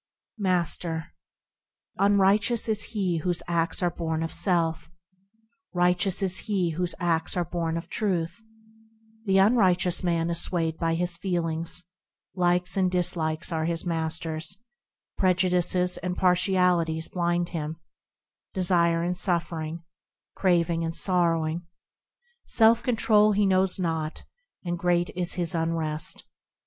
Master. Unrighteous is he whose acts are born of self; Righteous is he whose acts are born of Truth: The unrighteous man is swayed by his feelings ; Likes and dislikes are his masters ; Prejudices and partialities blind him ; Desiring and suffering, Craving and sorrowing, Self control he knows not, and great is his unrest.